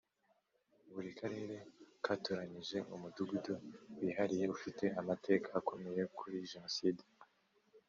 Buri Karere katoranyije Umudugudu wihariye ufite amateka akomeye kuri Jenoside